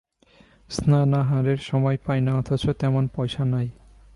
স্নানাহারের সময় পায় না, অথচ তেমন পয়সা নাই।